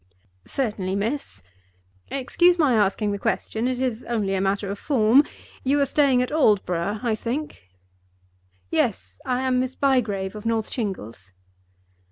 "Certainly, miss. Excuse my asking the question—it is only a matter of form. You are staying at Aldborough, I think?" "Yes. I am Miss Bygrave, of North Shingles."